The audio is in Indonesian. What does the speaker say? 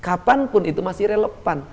kapan pun itu masih relevan